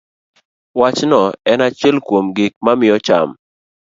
Wachno en achiel kuom gik mamiyo cham